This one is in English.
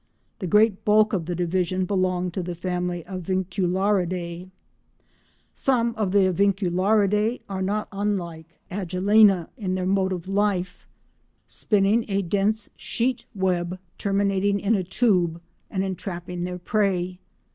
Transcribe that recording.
The great bulk of the division belong to the family Aviculariidae. Some of the Aviculariidae are not unlike Agelena in their mode of life, spinning a dense sheet web terminating in a tube, and entrapping their prey.